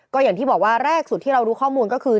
ก็อย่างที่บอกว่าแรกสุดที่เรารู้ข้อมูลก็คือ